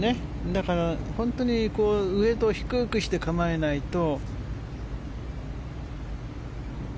だからウェートを低くして構えないと。